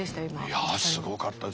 いやすごかったですね。